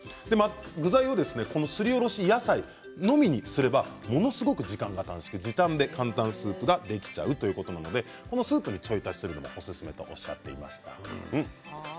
具材をすりおろし野菜のみにすればものすごく時間が短縮時短で簡単スープができちゃうということなのでスープにちょい足しもおすすめとおっしゃっていました。